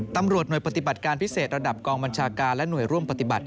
ตำรวจหน่วยปฏิบัติการพิเศษระดับกองบัญชาการและหน่วยร่วมปฏิบัติ